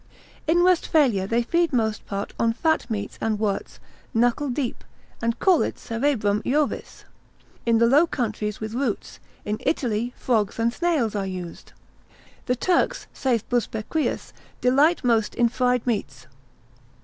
In Westphalia they feed most part on fat meats and worts, knuckle deep, and call it cerebrum Iovis: in the Low Countries with roots, in Italy frogs and snails are used. The Turks, saith Busbequius, delight most in fried meats.